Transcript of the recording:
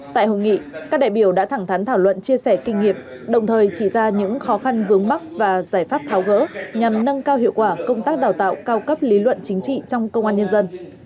tại hội nghị các đại biểu đã thẳng thắn thảo luận chia sẻ kinh nghiệm đồng thời chỉ ra những khó khăn vướng mắt và giải pháp tháo gỡ nhằm nâng cao hiệu quả công tác đào tạo cao cấp lý luận chính trị trong công an nhân dân